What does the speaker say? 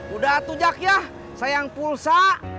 udah tuh jak ya sayang pulsa